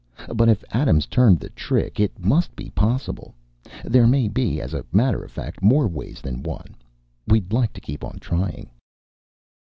But if Adams turned the trick, it must be possible. There may be, as a matter of fact, more ways than one. We'd like to keep on trying."